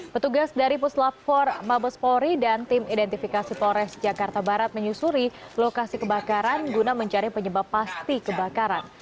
petugas dari puslap empat mabes polri dan tim identifikasi polres jakarta barat menyusuri lokasi kebakaran guna mencari penyebab pasti kebakaran